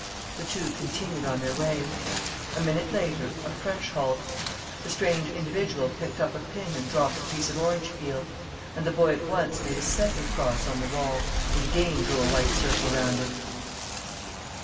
The two continued on their way. A minute later, a fresh halt. The strange individual picked up a pin and dropped a piece of orange peel; and the boy at once made a second cross on the wall and again drew a white circle round it.